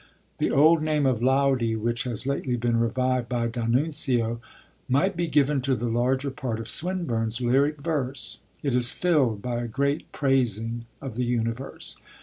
The old name of Laudi, which has lately been revived by d'Annunzio, might be given to the larger part of Swinburne's lyric verse: it is filled by a great praising of the universe.